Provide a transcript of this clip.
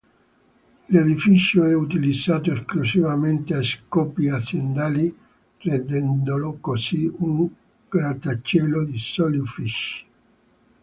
L'edificio è utilizzato esclusivamente a scopi aziendali, rendendolo così un grattacielo di soli uffici.